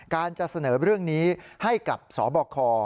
การจะเสนอเรื่องนี้ให้กับสบค